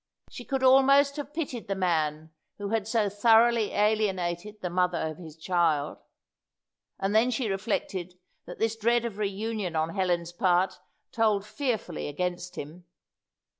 She could almost have pitied the man who had so thoroughly alienated the mother of his child. And then she reflected that this dread of reunion on Helen's part told fearfully against him.